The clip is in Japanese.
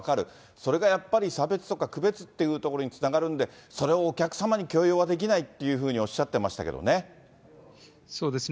それからやっぱり、差別とか区別っていうところにつながるんで、それをお客様に強要はできないというふうにおっしゃっていましたそうですね。